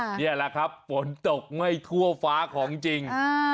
นี่แหละครับฝนตกไม่ทั่วฟ้าของจริง